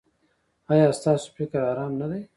ایا ستاسو فکر ارام نه دی؟